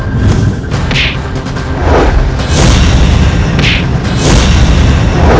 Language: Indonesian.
maka orang lain akan mengikutinya